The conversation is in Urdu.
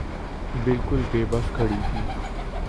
بالکل بے بس کھڑی تھی۔